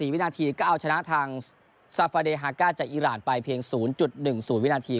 วินาทีก็เอาชนะทางซาฟาเดฮาก้าจากอีรานไปเพียง๐๑๐วินาที